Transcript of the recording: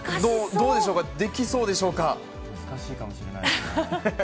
どうでしょうか、できそうで難しいかもしれないですね。